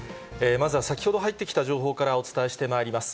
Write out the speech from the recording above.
まずは先ほど入ってきた情報からお伝えしてまいります。